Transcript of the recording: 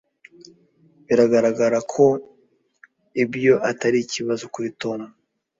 Biragaragara ko ibyo atari ikibazo kuri Tom.